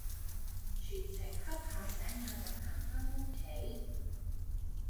全程恰下醒下咁行返屋企